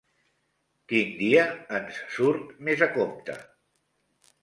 Quin dia ens surt més a compte?